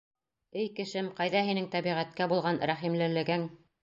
Эй кешем, ҡайҙа һинең тәбиғәткә булған рәхимлелегең?